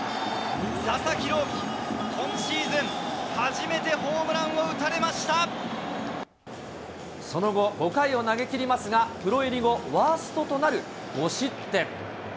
佐々木朗希、今シーズン初めてホその後、５回を投げきりますが、プロ入り後、ワーストとなる５失点。